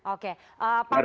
oke pak menteri